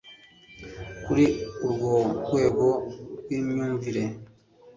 kuri urwo rwego rw'imyumvire